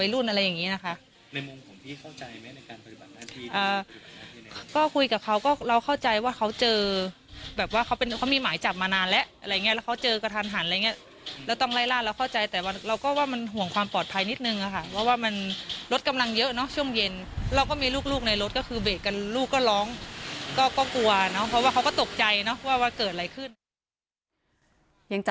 ลูกในรถก็คือเบรกกันลูกก็ร้องก็กลัวเนอะ